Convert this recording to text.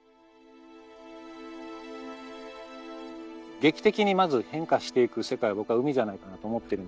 劇的にまず変化していく世界は海じゃないかなと思ってるんですけど